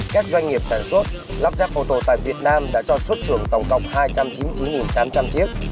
các doanh nghiệp sản xuất lắp ráp ô tô tại việt nam đã cho xuất xưởng tổng cộng hai trăm chín mươi chín tám trăm linh chiếc